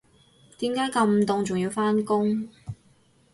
點解咁凍仲要返工